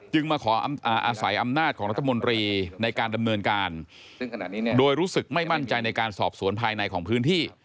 มาขออาศัยอำนาจของรัฐมนตรีในการดำเนินการโดยรู้สึกไม่มั่นใจในการสอบสวนภายในของพื้นที่